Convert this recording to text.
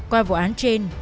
qua vụ án trên